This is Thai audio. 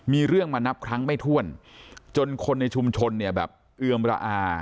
มีเรื่องมานับครั้งไม่ถ้วนจนคนในชุมชนเนี่ยแบบเอือมระอา